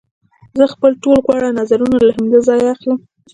زه خپل ټول غوره نظرونه له همدې ځایه اخلم